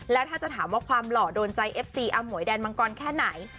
แล้วถ้าจะถามว่าความหล่อโดนใจเอฟซีอาหมวยแดนมังกรแค่ไหน